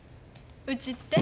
うちって？